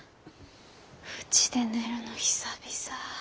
うちで寝るの久々ぁ。